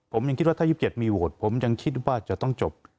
ผมยังคิดว่าถ้า๒๗มีโหวตผมยังคิดว่าจะต้องจบ